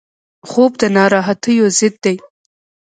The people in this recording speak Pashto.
خوب د ناراحتیو ضد دی